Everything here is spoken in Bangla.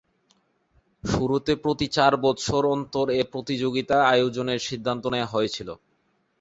শুরুতে প্রতি চার বৎসর অন্তর এ প্রতিযোগিতা আয়োজনের সিদ্ধান্ত নেয়া হয়েছিল।